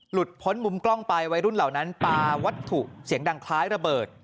พ้นมุมกล้องไปวัยรุ่นเหล่านั้นปลาวัตถุเสียงดังคล้ายระเบิด